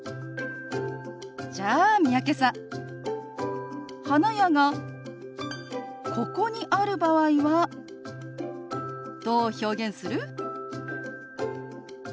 じゃあ三宅さん花屋がここにある場合はどう表現する？